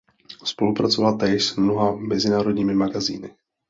Spolupracovala též s mnoha mezinárodními magazíny.